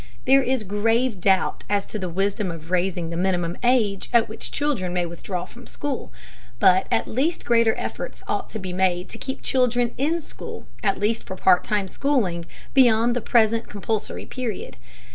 There is grave doubt as to the wisdom of raising the minimum age at which children may withdraw from school, but at least greater efforts ought to be made to keep children in school at least for part time schooling beyond the present compulsory period.